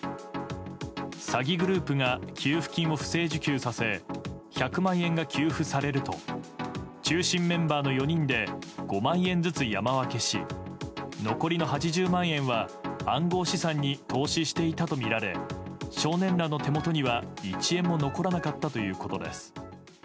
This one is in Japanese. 詐欺グループが給付金を不正受給させ１００万円が給付されると中心メンバーの４人で５万円ずつ山分けし残りの８０万円は暗号資産に投資していたとみられ少年らの手元には１円も残らなかったということです。